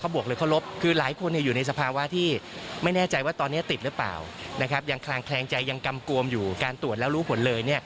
หรือเปล่ายังคลางแคลงใจยังกำกวมอยู่การตรวจแล้วรู้ผลเลย